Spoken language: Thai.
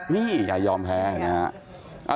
นี่อย่ายอมแพ้นะฮะ